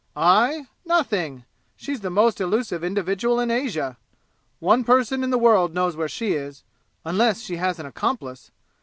"I? Nothing! She's the most elusive individual in Asia! One person in the world knows where she is, unless she has an accomplice.